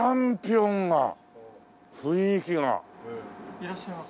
いらっしゃいませ。